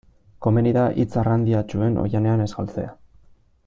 Komeni da hitz arrandiatsuen oihanean ez galtzea.